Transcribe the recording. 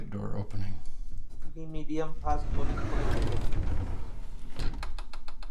তিনি medium fast bowling করে থাকেন।